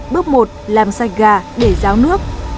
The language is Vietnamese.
bước một làm sạch gà để ráo nước